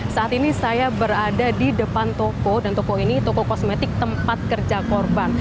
saat ini saya berada di depan toko dan toko ini toko kosmetik tempat kerja korban